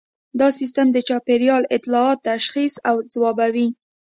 دا سیستم د چاپیریال اطلاعات تشخیص او ځوابوي